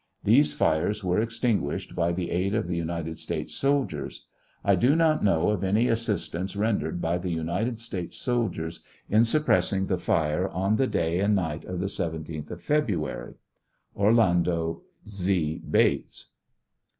These fires were extinguished by the aid of the United States soldiers. I do not know of any assistance rendered by the United States soldiers in suppressing the fire on the day and night of the 17th of February. OELAJNDO Z. BATES.